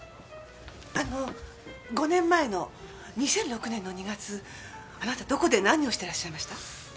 あの５年前の２００６年の２月あなたどこで何をしてらっしゃいました？